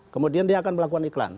kemudian dia akan melakukan iklan